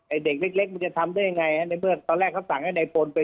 เด็กเล็กมันจะทำได้ยังไงฮะในเมื่อตอนแรกเขาสั่งให้นายพลไป